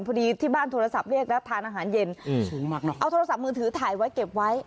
พอดีที่บ้านโทรศัพท์เรียกแล้วทานอาหารเย็นสูงมากหน่อยเอาโทรศัพท์มือถือถ่ายไว้เก็บไว้